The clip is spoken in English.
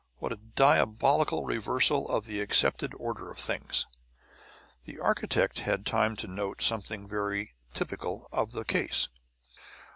What a diabolical reversal of the accepted order of things! The architect had time to note something very typical of the case.